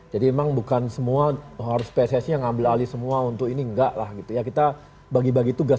jadi memang bukan semua harus pssi yang ambil alih semua untuk ini enggak lah kita bagi bagi tugas